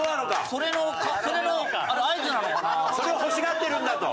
それを欲しがってるんだと。